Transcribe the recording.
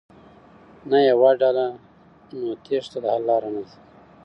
نه يوه ډله ،نو تېښته د حل لاره نه ده.